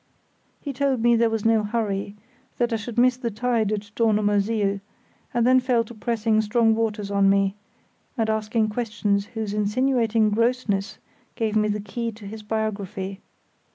He told me there was no hurry, that I should miss the tide at Dornumersiel, and then fell to pressing strong waters on me, and asking questions whose insinuating grossness gave me the key to his biography.